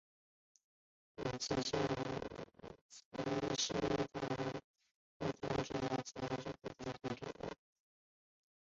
雌狮对团体外的其他狮子是敌对的。